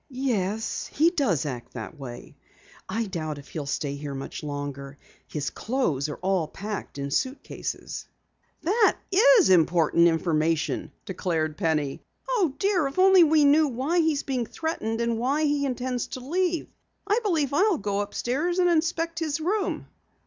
"Yes, he does act that way. I doubt if he'll stay here much longer. His clothes are all packed in suitcases." "That is important information," declared Penny. "Oh, dear, if only we knew why he's being threatened, and why he intends to leave! I believe I'll go upstairs and inspect his room."